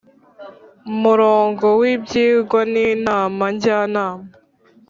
Murongo w ibyigwa n inama njyanama